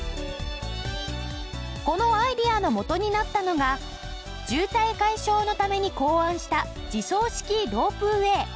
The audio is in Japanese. このアイデアの元になったのが渋滞解消のために考案した自走式ロープウェー。